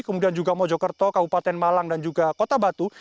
kemudian juga mojokerto kabupaten malang dan juga kota batu